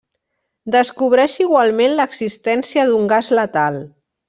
Descobreix igualment l'existència d'un gas letal.